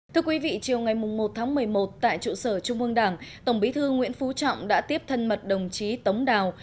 thưa quý vị chiều ngày một tháng một mươi một tại trụ sở trung ương đảng tổng bí thư nguyễn phú trọng đã tiếp thân mật đồng chí tống đào